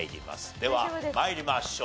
では参りましょう。